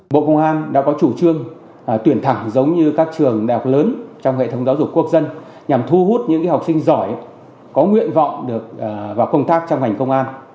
bộ công an đã có chủ trương tuyển thẳng giống như các trường đại học lớn trong hệ thống giáo dục quốc dân nhằm thu hút những học sinh giỏi có nguyện vọng vào công tác trong ngành công an